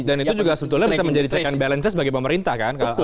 dan itu juga sebetulnya bisa menjadi check and balance bagi pemerintah kan